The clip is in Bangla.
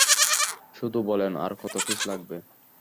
শুধু বলেন, আর কত পিস লাগবে?